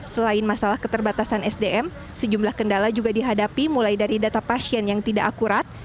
selain masalah keterbatasan sdm sejumlah kendala juga dihadapi mulai dari data pasien yang tidak akurat